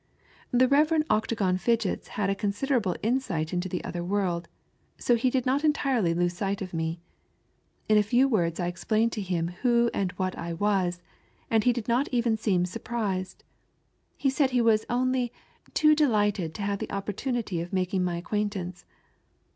The Kev. Octagon Fidgets had a considerable insight into tho other world, so he did not entirely lose eight of me. In a few words I explained to him who and what I was, and he did not even seem He said he was only " too delighted to have the opportunity of making my acquaintance."